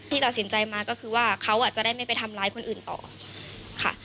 ตัดสินใจมาก็คือว่าเขาจะได้ไม่ไปทำร้ายคนอื่นต่อค่ะ